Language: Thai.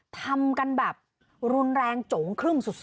ทำกันแบบรุนแรงโจ๋งครึ่มสุด